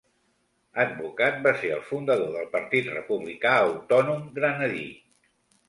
Advocat, va ser el fundador del Partit Republicà Autònom Granadí.